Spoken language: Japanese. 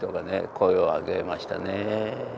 声を上げましたね。